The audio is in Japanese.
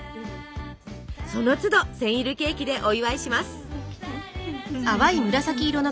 その都度センイルケーキでお祝いします。